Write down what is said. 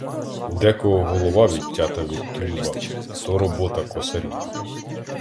У декого голова відтята від тулуба — то робота "косарів".